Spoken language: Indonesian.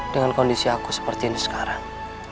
dengan kondisi aku seperti ini sekarang